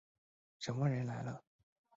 什么人来了？